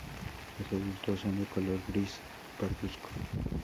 Los adultos son de color gris parduzco.